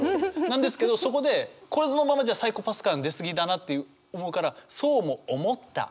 なんですけどそこでこのままじゃサイコパス感出過ぎだなって思うから「そうも思った。